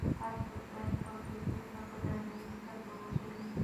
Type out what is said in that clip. هر څوک باید خپل کلتور ته په درنه سترګه وګوري.